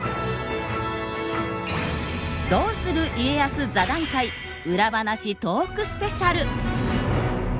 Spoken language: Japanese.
「どうする家康」座談会ウラ話トークスペシャル。